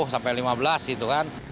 sepuluh sampai lima belas itu kan